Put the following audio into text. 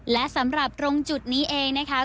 และสำหรับตรงจุดนี้เองนะคะ